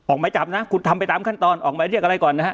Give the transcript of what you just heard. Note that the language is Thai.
หมายจับนะคุณทำไปตามขั้นตอนออกหมายเรียกอะไรก่อนนะฮะ